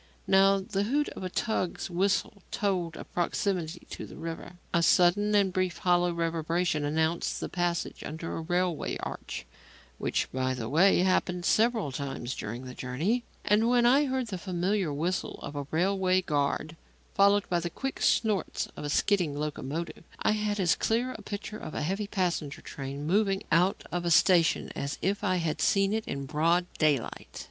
Now the hoot of a tug's whistle told of proximity to the river. A sudden and brief hollow reverberation announced the passage under a railway arch (which, by the way, happened several times during the journey); and, when I heard the familiar whistle of a railway guard followed by the quick snorts of a skidding locomotive, I had as clear a picture of a heavy passenger train moving out of a station as if I had seen it in broad daylight.